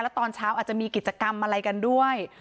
ตอนเช้าอาจจะมีกิจกรรมอะไรกันด้วย